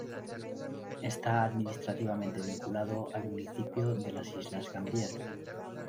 Está administrativamente vinculado al municipio de las Islas Gambier.